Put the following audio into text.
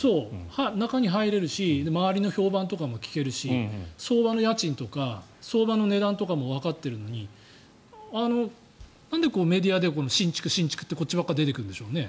中に入れるし周りの評判とか聞けるし相場の家賃とか相場の値段もわかっているのになんでメディアで新築、新築ってこっちばかり出てくるんでしょうかね。